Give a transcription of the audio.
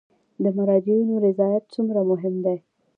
د مراجعینو رضایت څومره مهم دی؟